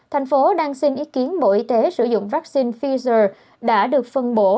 thành phố đang xin ý kiến bộ y tế sử dụng vaccine fiser đã được phân bổ